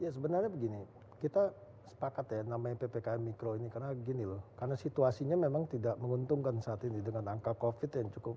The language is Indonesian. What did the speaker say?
ya sebenarnya begini kita sepakat ya namanya ppkm mikro ini karena gini loh karena situasinya memang tidak menguntungkan saat ini dengan angka covid yang cukup